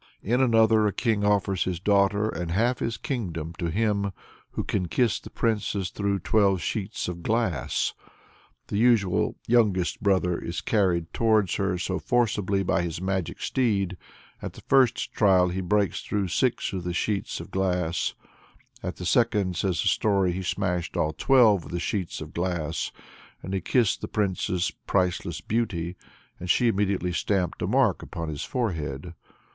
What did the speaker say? In another, a king offers his daughter and half his kingdom to him "who can kiss the princess through twelve sheets of glass." The usual youngest brother is carried towards her so forcibly by his magic steed that, at the first trial, he breaks through six of the sheets of glass; at the second, says the story, "he smashed all twelve of the sheets of glass, and he kissed the Princess Priceless Beauty, and she immediately stamped a mark upon his forehead."